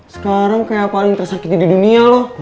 sekarang kayak paling tersakiti di dunia loh